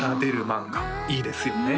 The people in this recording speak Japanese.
漫画いいですよね